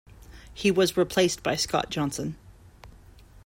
He was replaced by Scott Johnson.